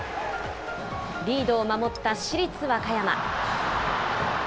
リードを守った市立和歌山。